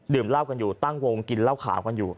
ดื่มเล่ากันอยู่ตั้งวงกินเล่าขาวกันอยู่